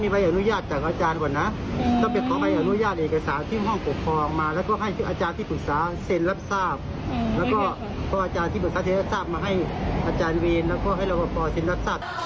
พูดเร็วไปนิดหนึ่งนะครับ